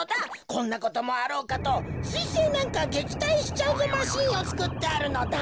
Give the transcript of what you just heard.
こんなこともあろうかとすいせいなんかげきたいしちゃうぞマシンをつくってあるのだ。